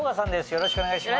よろしくお願いします。